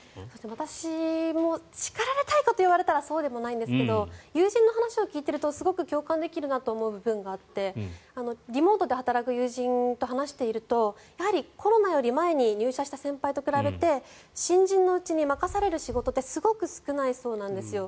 私も叱られたいかといわれたらそうでもないんですが友人の話を聞いているとすごく共感できる部分もあってリモートで働く友人と話しているとやはりコロナより前に入社した先輩と比べて新人のうちに任される仕事ってすごく少ないそうなんですよ。